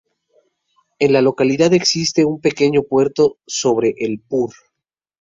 En la localidad existe un pequeño puerto sobre el Pur.